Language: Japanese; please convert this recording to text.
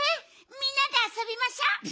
みんなであそびましょ！